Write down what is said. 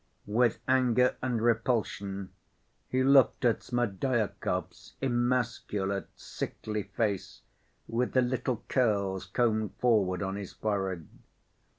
With anger and repulsion he looked at Smerdyakov's emasculate, sickly face, with the little curls combed forward on his forehead.